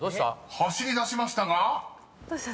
［走りだしましたが］